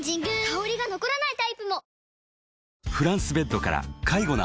香りが残らないタイプも！